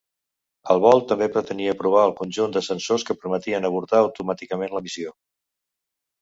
El vol també pretenia provar el conjunt de sensors que permetien avortar automàticament la missió.